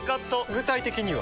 具体的には？